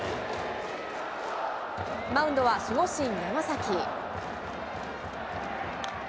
マウンドは守護神、山崎。